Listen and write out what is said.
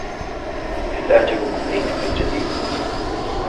هل أعجبك بيتك الجديد ؟